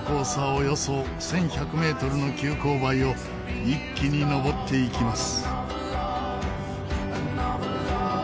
およそ１１００メートルの急勾配を一気に登っていきます。